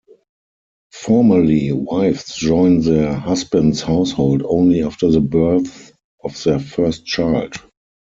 Formally, wives join their husband's household only after the birth of their first child.